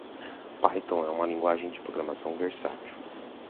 Python é uma linguagem de programação versátil.